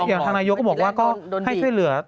อย่างทางนายโยกก็บอกว่าก็ให้ช่วยเหลือ